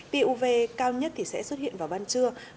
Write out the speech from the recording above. tia uv cao nhất thì sẽ xuất hiện vào ban trưa